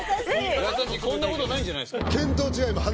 優しいこんなことないんじゃないすか？